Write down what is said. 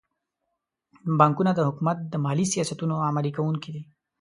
بانکونه د حکومت د مالي سیاستونو عملي کوونکي دي.